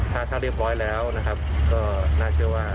ถ้าเรียบร้อยแล้วนะครับก็น่าเชื่อว่า